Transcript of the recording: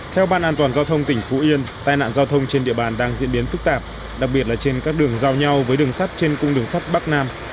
theo ban an toàn giao thông tỉnh phú yên tai nạn giao thông trên địa bàn đang diễn biến phức tạp đặc biệt là trên các đường giao nhau với đường sắt trên cung đường sắt bắc nam